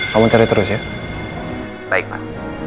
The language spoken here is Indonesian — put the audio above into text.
kamu cari terus ya baik pak